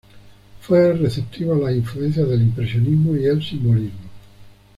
Fue receptivo a las influencias del impresionismo y el simbolismo.